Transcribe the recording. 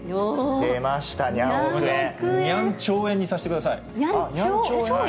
出ました、にゃん兆円にさせてください。